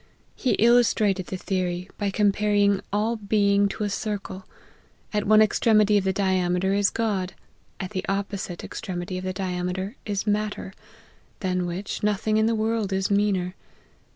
He illustrated the theory, by comparing all being to a circle : at one extremity of the diame ter is God, at the opposite extremity of the diame ter is matter, than which, nothing in the world is meaner.